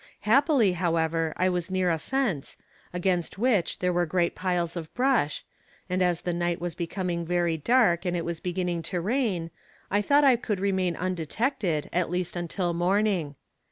Happily, however, I was near a fence, against which there were great piles of brush, and as the night was becoming very dark and it was beginning to rain, I thought I could remain undetected, at least until morning.